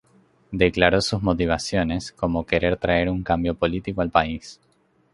Declaró sus motivaciones, como querer traer un cambio político al país.